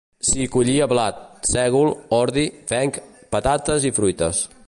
S'hi collia blat, sègol, ordi, fenc, patates i fruites.